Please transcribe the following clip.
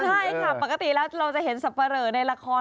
ใช่ค่ะปกติแล้วเราจะเห็นสับปะเหลอในละคร